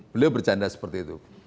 beliau bercanda seperti itu